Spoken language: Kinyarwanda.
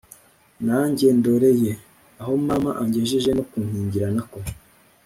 na njye ndore ye! aho mama angejeje no kunkingirana kwe!»